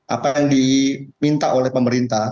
apa yang diminta oleh pemerintah